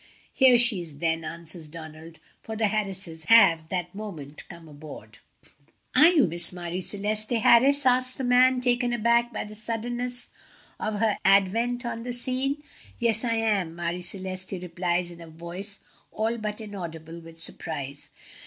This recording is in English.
"Here she is, then," answers Donald, for the Harrises have that moment come aboard. [Illustration: 0233] "Are you Miss Marie Celeste Harris?" asks the man, taken aback by the suddenness of her advent on the scene. "Yes, I am," Marie Celeste replies in a voice all but inaudible with surprise.